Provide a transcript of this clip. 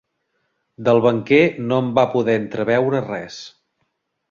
Del banquer no en va poder entreveure res.